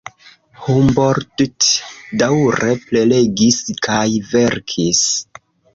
Humboldt daŭre prelegis kaj verkis.